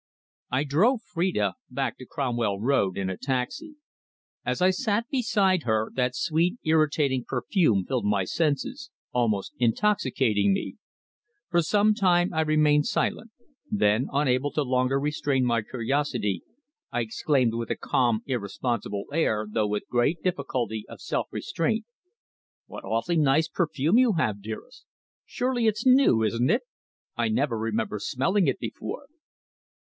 I drove Phrida back to Cromwell Road in a taxi. As I sat beside her, that sweet irritating perfume filled my senses, almost intoxicating me. For some time I remained silent; then, unable to longer restrain my curiosity, I exclaimed with a calm, irresponsible air, though with great difficulty of self restraint: "What awfully nice perfume you have, dearest! Surely it's new, isn't it? I never remember smelling it before!"